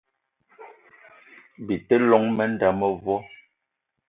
Bi te llong m'nda mevo